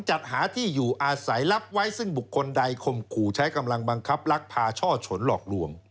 จัดหาที่อยู่อาศัยรับไว้ซึ่งบุคคลใดข่มขู่ใช้กำลังบังคับลักพาช่อฉนหลอกลวง